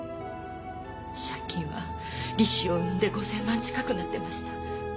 借金は利子をうんで５，０００万円近くなっていました。